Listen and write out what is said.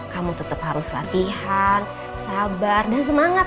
kamu tetap harus latihan sabar dan semangat